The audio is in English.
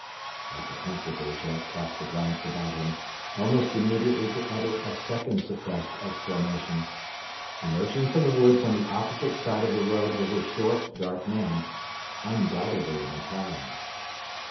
Apprehensively Jack cast a glance about him, almost immediately to utter a second suppressed exclamation. Emerging from the woods on the opposite side of the road was a short, dark man undoubtedly an Italian.